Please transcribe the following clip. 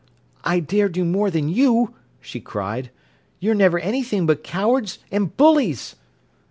"I dare do more than you," she cried. "You're never anything but cowards and bullies."